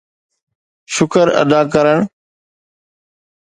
شڪر ادا ڪرڻ